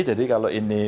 jadi kalau ini